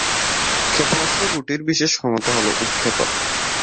ক্ষেপণাস্ত্র গুটির বিশেষ ক্ষমতা হল উৎক্ষেপণ।